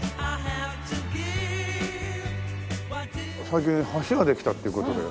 最近橋ができたっていう事で。